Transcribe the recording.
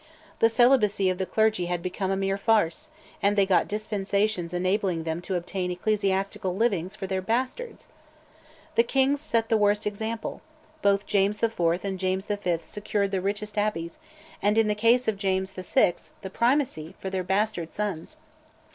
The celibacy of the clergy had become a mere farce; and they got dispensations enabling them to obtain ecclesiastical livings for their bastards. The kings set the worst example: both James IV. and James V. secured the richest abbeys, and, in the case of James IV., the Primacy, for their bastard sons.